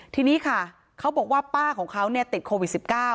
ทีนี้ค่ะเขาบอกว่าป้าของเขาเนี่ยติดโควิดสิบเก้า